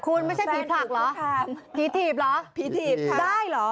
คุณไม่ใช่ผีถักหรอผีถีบหรอผีถีบถักได้หรอ